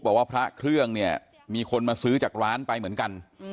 พระเครื่องเนี่ยมีคนมาซื้อจากร้านไปเหมือนกัน